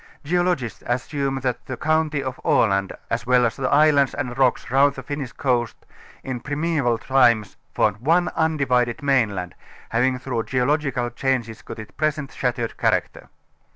Geologists assume that the county of Aland as well as the islands and rocks round the Finnish coast in prim┼ōval times formed one undivided mainland, having through geological changes got its present shattered character.